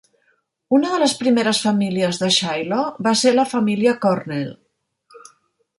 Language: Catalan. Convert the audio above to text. Una de les primeres famílies de Shiloh va ser la família Cornell.